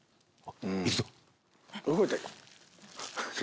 行くぞ。